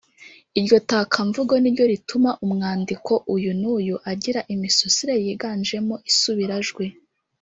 Iryo takamvugo niryo rituma umwandiko uyu n’uyu agira imisusire yiganjemo Isubirajwi